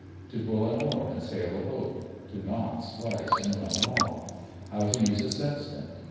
To pull an oar and sail a boat; to knot, splice, and run aloft; how to use a sextant.